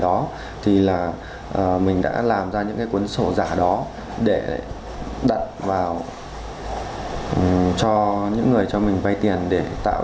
đó thì là mình đã làm ra những cái cuốn sổ giả đó để đặt vào cho những người cho mình vay tiền để tạo